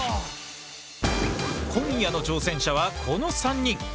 今夜の挑戦者はこの３人！